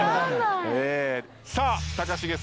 さあ高重さん